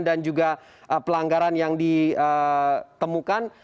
dan juga pelanggaran yang ditemukan